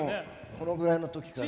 このぐらいの時から。